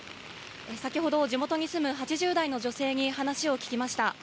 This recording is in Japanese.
先ほど地元に住む８０代の女性に話を聞きました。